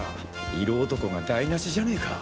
色男が台無しじゃねぇか。